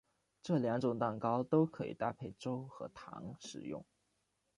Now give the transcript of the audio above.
这两种蛋糕都可以搭配粥和糖食用。